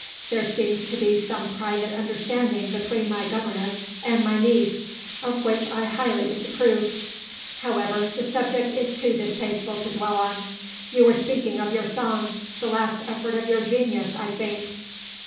There seems to be some private understanding between my governess and my niece, of which I highly disapprove. However, the subject is too distasteful to dwell on. You were speaking of your song the last effort of your genius, I think?"